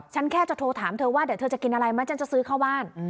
ฉันแค่จะโทรถามเธอว่าเดี๋ยวเธอจะกินอะไรไหมฉันจะซื้อเข้าบ้าน